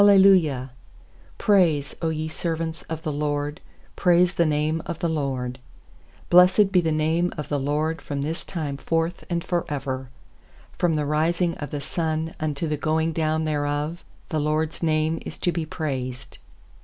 _L ci praise^ Q ye servants of the LORD, Praise the name of the LORD. ^Blessed be the name of the LORD From this time forth and for ever. 3From the rising of the sun unto the going down thereof The LORD'S name is to be praised.